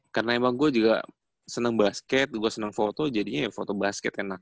karena emang gua juga seneng basket gua seneng foto jadinya ya foto basket enak